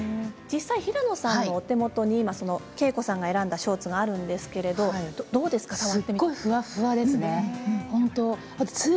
実際、平野さんのお手元にそのケイコさんが選んだショーツがあるんですけれどもどうですか？